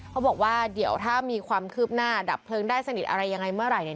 เขาบอกว่าเดี๋ยวถ้ามีความคืบหน้าดับเพลิงได้สนิทอะไรยังไงเมื่อไหร่เนี่ย